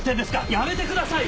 やめてください！